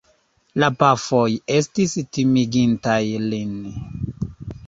La pafoj estis timigintaj lin.